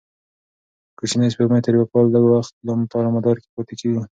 کوچنۍ سپوږمۍ تر یوه کال لږ وخت لپاره مدار کې پاتې کېږي.